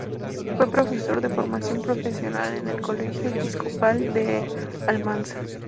Fue profesor de formación profesional en el colegio episcopal de Almansa.